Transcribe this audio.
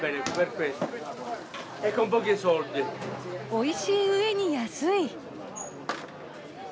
おいしいうえに安い。